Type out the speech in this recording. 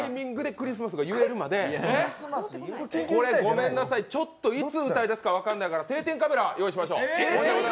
クリスマスが言えるまで、ごめんなさい、いつ歌いだすか分からないから定点カメラ用意しましょう。